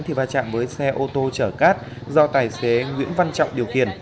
thì va chạm với xe ô tô chở cát do tài xế nguyễn văn trọng điều khiển